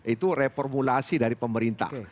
itu reformulasi dari pemerintah